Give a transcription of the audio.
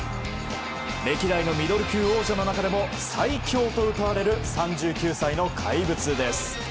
歴代のミドル級王者の中でも最強とうたわれる３９歳の怪物です。